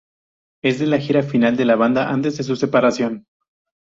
Es de la gira final de la banda, antes de su separación.